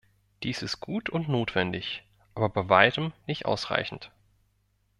Dies ist gut und notwendig, aber bei weitem nicht ausreichend.